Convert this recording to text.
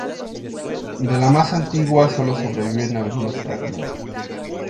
De la más antigua solo sobreviven algunos fragmentos.